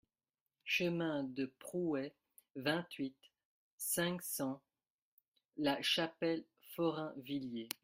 Chemin de Prouais, vingt-huit, cinq cents La Chapelle-Forainvilliers